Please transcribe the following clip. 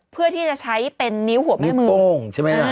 เพื่อที่จะใช้เป็นนิ้วหัวแม่มือ